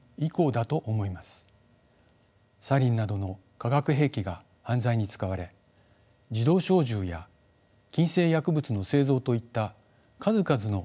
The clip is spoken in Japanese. サリンなどの化学兵器が犯罪に使われ自動小銃や禁制薬物の製造といった数々の違法な科学が使われました。